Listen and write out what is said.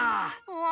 わ。